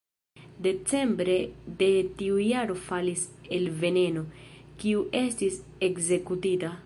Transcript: Decembre de tiu jaro falis "el Veneno", kiu estis ekzekutita.